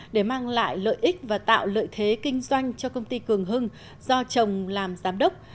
để mang lại lợi ích và tạo lợi thế kinh doanh cho công ty cường hưng do chồng làm giám đốc